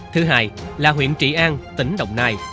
thứ hai là huyện trị an tỉnh động nai